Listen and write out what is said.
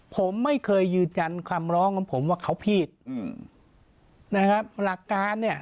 ผมไม่เคยยืนยันคำร้องของผมว่าเขาผิดอืมนะครับหลักการเนี่ย